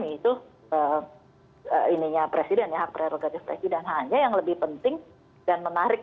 itu ininya presiden ya hak prerogatif presiden hanya yang lebih penting dan menarik